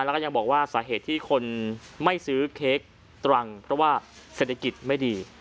แล้วก็ยังบอกว่าสาเหตุที่คนไม่ซื้อเค้กตรังเพราะว่าเศรษฐกิจไม่ดี